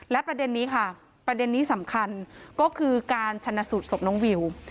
และประเด็นนี้ค่ะประเด็นนี้สำคัญก็คือการชนะสูตรศพน้องวิว